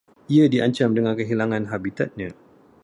Ia diancam dengan kehilangan habitatnya